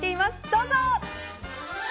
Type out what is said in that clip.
どうぞ。